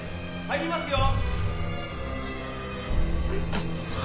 入りますよ？